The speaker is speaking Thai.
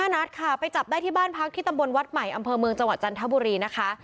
นัดค่ะไปจับได้ที่บ้านพักที่ตำบลวัดใหม่อำเภอเมืองจังหวัดจันทบุรีนะคะ